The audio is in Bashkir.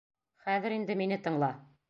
Хәҙер инде мине тыңла.